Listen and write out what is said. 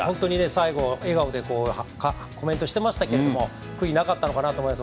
最後は笑顔でコメントしてましたけれども悔いなかったのかなと思います。